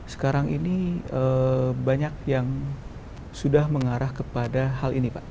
sekarang ini banyak yang sudah mengarah kepada hal ini pak